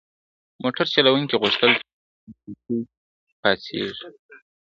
موټر چلونکي غوښتل چې له خپلې چوکۍ پاڅیږي.